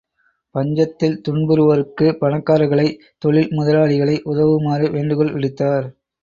பஞ்சத்தில் துன்புறுவோருக்குப் பணக்காரர்களை, தொழில் முதலாளிகளை உதவுமாறு வேண்டுகோள் விடுத்தார்.